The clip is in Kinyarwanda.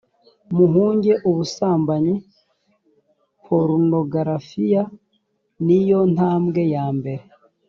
muhunge ubusambanyi porunogarafiya ni yo ntambwe yambere